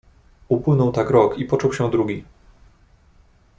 "Upłynął tak rok i począł się drugi."